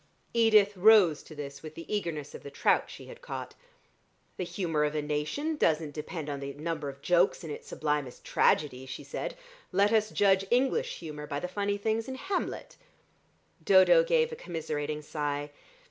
Edith rose to this with the eagerness of the trout she had caught. "The humour of a nation doesn't depend on the number of jokes in its sublimest tragedy," she said. "Let us judge English humour by the funny things in Hamlet." Dodo gave a commiserating sigh.